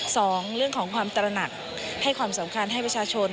สองเรื่องของความตระหนักให้ความสำคัญให้ประชาชน